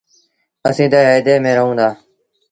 اسيٚݩ ديه هئيدي ميݩ رهوݩ دآ